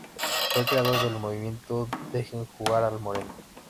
Fue creador del movimiento "Dejen jugar al Moreno".